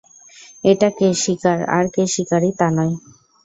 এটা কে শিকার আর কে শিকারি তা নয়।